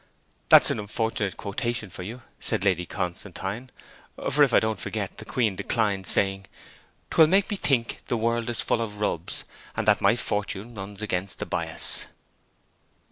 "' 'That's an unfortunate quotation for you,' said Lady Constantine; 'for if I don't forget, the queen declines, saying, "Twill make me think the world is full of rubs, and that my fortune runs against the bias."'